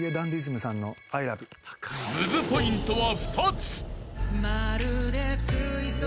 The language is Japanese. ［ムズポイントは２つ］